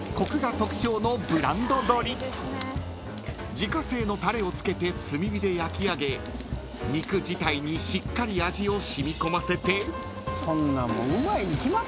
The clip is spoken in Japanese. ［自家製のタレをつけて炭火で焼き上げ肉自体にしっかり味を染み込ませて］